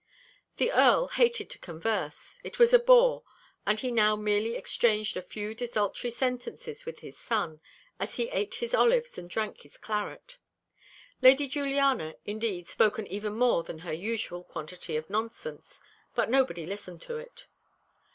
The Earl hated to converse it was a bore; and he now merely exchanged a few desultory sentences with his son, as he ate his olives and drank his claret. Lady Juliana, indeed, spoke even more than her usual quantity of nonsense, but nobody listened to it.